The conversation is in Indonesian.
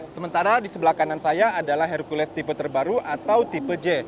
sementara di sebelah kanan saya adalah hercules tipe terbaru atau tipe j